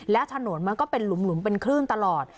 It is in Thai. และถนนมันก็เป็นหลุมเป็นคลื่นตลอด